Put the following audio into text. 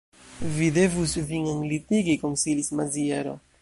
Vi devus vin enlitigi, konsilis Maziero.